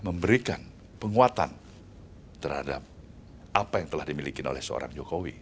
memberikan penguatan terhadap apa yang telah dimiliki oleh seorang jokowi